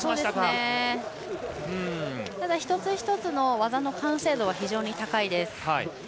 ただ一つ一つの技の完成度は非常に高いです。